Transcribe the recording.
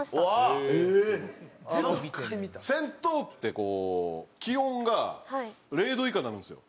あの戦闘機ってこう気温が０度以下になるんですよ。